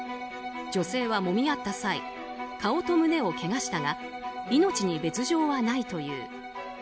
女性はもみ合った際顔と胸をけがしたが命に別条はないという。